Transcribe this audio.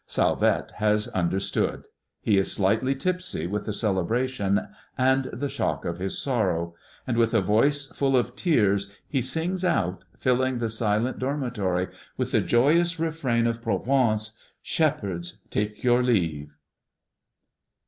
Salvette has understood; he is slightly tipsy with the celebration and the shock of his sorrow; and with a voice full of tears he sings out, filling the silent dormitory with the joyous refrain of Provence, "Shepherds, Take your leave."